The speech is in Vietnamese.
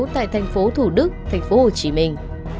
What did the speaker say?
tại thành phố thủ đức thành phố hồ chí minh